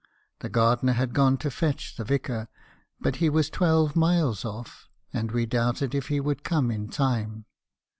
The gardener had gone to fetch the vicar; but he was twelve miles off, and we doubted if he would come in time.